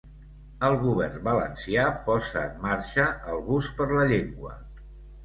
El govern valencià posa en marxa el bus per la llengua.